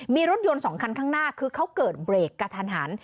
มีรถยนต์๒คันข้างหน้าคือเขาเกิดเบรกกระทันหัน